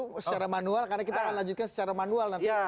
karena kita akan lanjutkan secara manual nanti